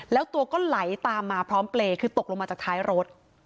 แล้วตัวก็ไหลตามมาพร้อมเปรย์คือตกลงมาจากท้ายรถ